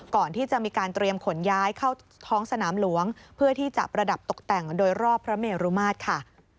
ก่อนที่จะมีการเตรียมขนย้ายเข้าท้องสนามหลวงเพื่อที่จะประดับตกแต่งโดยรอบพระเมรุมาตรค่ะ